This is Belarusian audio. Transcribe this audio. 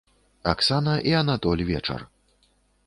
Аксана і анатоль вечар.